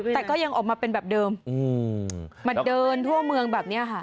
แต่ก็ยังออกมาเป็นแบบเดิมมาเดินทั่วเมืองแบบนี้ค่ะ